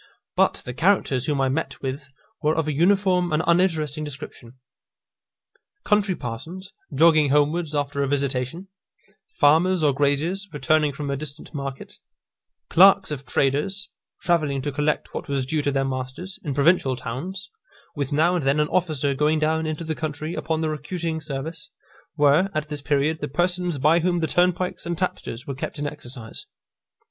But the characters whom I met with were of a uniform and uninteresting description. Country parsons, jogging homewards after a visitation; farmers, or graziers, returning from a distant market; clerks of traders, travelling to collect what was due to their masters, in provincial towns; with now and then an officer going down into the country upon the recruiting service, were, at this period, the persons by whom the turnpikes and tapsters were kept in exercise.